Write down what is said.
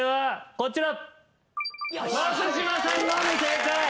こちら。